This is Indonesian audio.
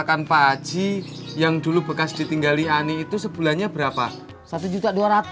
sampai jumpa di video selanjutnya